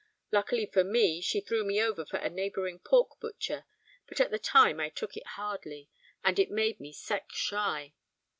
Luckily for me she threw me over for a neighbouring pork butcher, but at the time I took it hardly, and it made me sex shy.